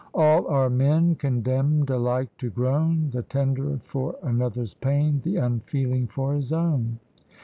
All are men, Condemned alike to groan; The tender for another's pain, THE UNFEELING FOR HIS OWN.